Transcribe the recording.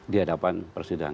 di hadapan persidangan